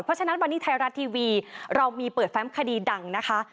เพราะฉะนั้นวันนี้ไทยรัฐทีวีเรามีเปิดแฟมคดีดังนะคะ